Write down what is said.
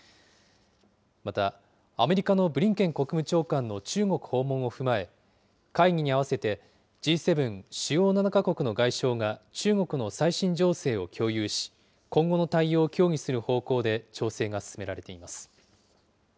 また、アメリカのブリンケン国務長官の中国訪問を踏まえ、会議に合わせて、Ｇ７・主要７か国の外相が中国の最新情勢を共有し、今後の対応を協議する方向で調整が進められています。